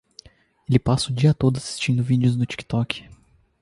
Ele passa o dia todo assistindo vídeos do TikTok.